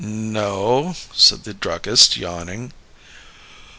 "No," said the druggist, yawning.